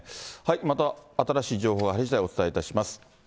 また新しい情報が入りしだい、お伝えいたします。